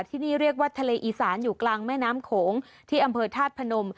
ที่นี่เรียกว่าทะเลอีสานอยู่กลางแม่น้ำโขงที่อำเภอธาตุพนม